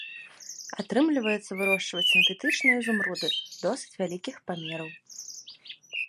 Атрымліваецца вырошчваць сінтэтычныя ізумруды досыць вялікіх памераў.